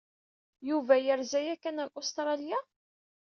Yuba yerza yakan ar Ustṛalya?